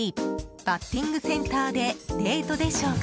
バッティングセンターでデートでしょうか？